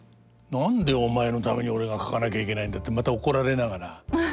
「何でお前のために俺が描かなきゃいけないんだ」ってまた怒られながら。